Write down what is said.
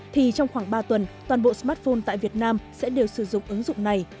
thì trong khoảng ba tuần toàn bộ smartphone tại việt nam sẽ đều sử dụng ứng dụng này